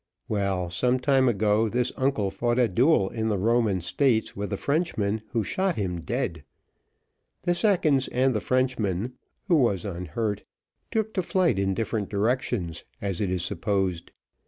Well, some time ago this uncle fought a duel in the Roman States with a Frenchman, who shot him dead. The seconds and the Frenchman (who was unhurt) took to flight in different directions, as it is supposed.